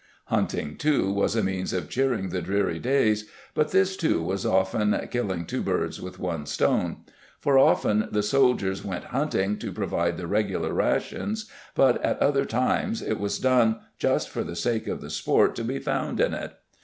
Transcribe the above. Hunting, too, was a means of cheering the dreary days, but this too was often "Killing two birds with one stone", for often the soldiers went hunting to provide the regular rations, but at other times it was done just for the sake of the sport to be found in it.